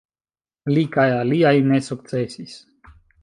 Li kaj aliaj ne sukcesis.